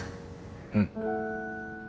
うん。